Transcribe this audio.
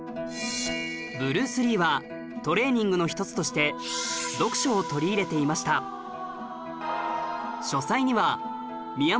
ブルース・リーはトレーニングの一つとして読書を取り入れていましたがあり